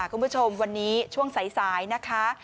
คุณผู้ชมวันนี้ช่วงสายนะคะ